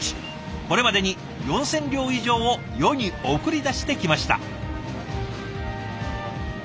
これまでに４，０００両以上を世に送り出してきました。